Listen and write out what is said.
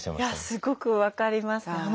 すごく分かります。